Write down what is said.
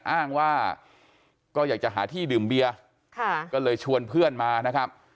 อ้างว่าก็อยากจะหาที่ดื่มเบียร์ก็เลยชวนเพื่อนมานะครับ